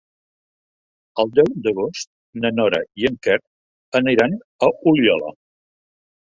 El deu d'agost na Nora i en Quer aniran a Oliola.